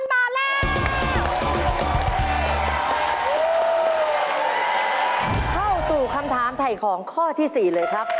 เข้าสู่คำถามถ่ายของข้อที่๔เลยครับ